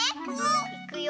いくよ。